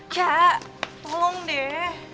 cak tolong deh